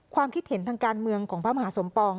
ความคิดเห็นทางการเมืองของพระมหาสมปอง